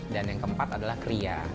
dan yang keempat adalah kriya